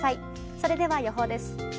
それでは予報です。